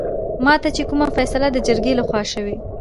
ماته چې کومه فيصله دجرګې لخوا شوې